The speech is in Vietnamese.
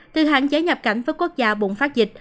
từ hạn chế nhập cảnh với quốc gia bùng phát dịch